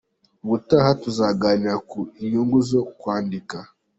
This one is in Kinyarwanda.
Ubutaha tuzaganira ku inyungu zo kwandika.